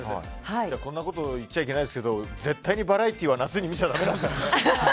こんなこと言っちゃいけないですけど絶対にバラエティーは夏に見ちゃだめですね。